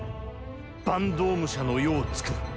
坂東武者の世をつくる。